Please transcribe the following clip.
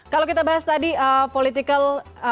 kalau kita bahas tadi political